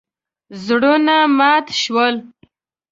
زړونه مات شول.